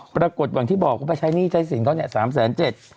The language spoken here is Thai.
ปรากฏหวังที่บอกเขาไปใช้หนี้ใช้สินเขา๓๗๐๐๐๐๐บาท